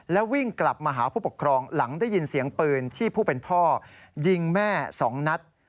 แล้ววิ่งกลับมาหาผู้ปกครองหลังได้ยินเสียงปืนที่ผู้เป็นพ่อยิงแม่๒นัด